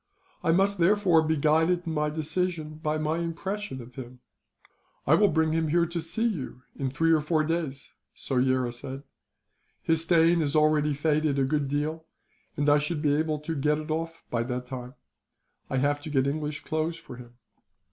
I must, therefore, be guided in my decision by my impression of him." "I will bring him to see you, in three or four days," Soyera said. "His stain is already faded a good deal, and I shall be able to get it off, by that time. I have to get English clothes for him.